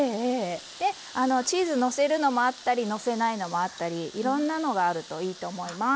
チーズのせるのもあったりのせないのもあったりいろんなのがあるといいと思います。